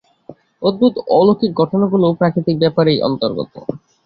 অদ্ভুত অলৌকিক ঘটনাগুলিও প্রাকৃতিক ব্যাপারেরই অন্তর্গত।